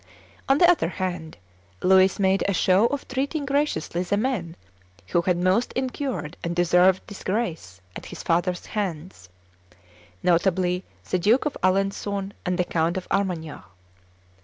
On the other hand, Louis made a show of treating graciously the men who had most incurred and deserved disgrace at his father's hands, notably the Duke of Alencon and the Count of Armagnac.